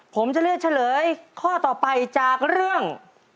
ผมจะเลือกเฉลยข้อต่อไปจากเรื่อง